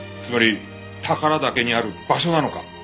つまり宝良岳にある場所なのか？